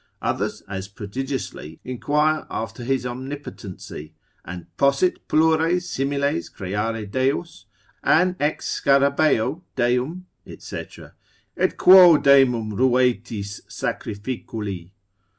Others as prodigiously inquire after his omnipotency, an possit plures similes creare deos? an ex scarcibaeo deum? &c., et quo demum ruetis sacrificuli?